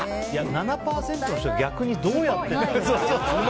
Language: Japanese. ７％の人は逆にどうやってるのかな？